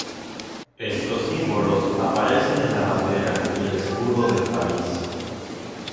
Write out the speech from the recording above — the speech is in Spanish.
Estos símbolos aparecen en la bandera y el escudo del país.